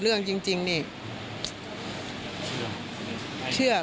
ตลอดทั้งคืนตลอดทั้งคืน